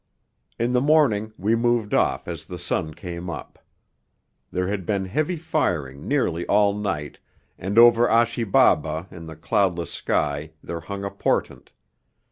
In the morning we moved off as the sun came up. There had been heavy firing nearly all night, and over Achi Baba in the cloudless sky there hung a portent.